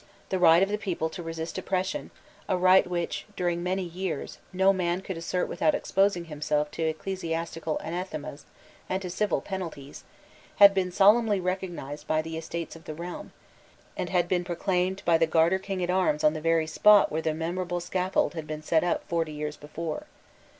The right of the people to resist oppression, a right which, during many years, no man could assert without exposing himself to ecclesiastical anathemas and to civil penalties, had been solemnly recognised by the Estates of the realm, and had been proclaimed by Garter King at Arms on the very spot where the memorable scaffold had been set up forty years before.